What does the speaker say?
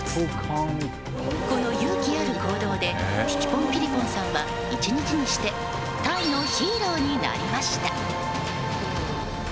この勇気ある行動でティティポン・ピリポンさんは１日にしてタイのヒーローになりました。